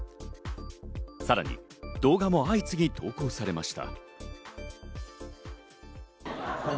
さらに動画も相次ぎ投稿されました。